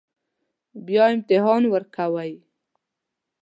بیا امتحان ورکوئ